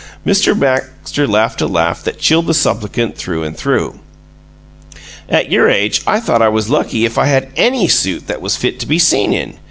Mr. Baxter laughed a laugh that chilled the supplicant through and through. "At your age I thought I was lucky if I had ANY suit that was fit to be seen in.